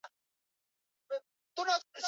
licha ya kufanya udhalimu dhiti ya wananchi